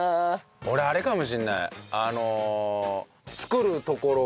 俺あれかもしれない。